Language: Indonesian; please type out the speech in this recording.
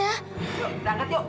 yuk bangun yuk